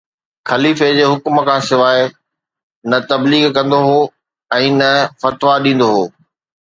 خليفي جي حڪم کان سواءِ نه تبليغ ڪندو هو ۽ نه فتويٰ ڏيندو هو